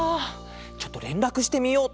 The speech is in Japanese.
ちょっとれんらくしてみよう。